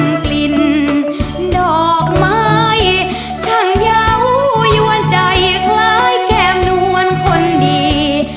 เป็นกลิ่นดอกไม้ช่างเยาวยวนใจคล้ายแก้มนวลคนดี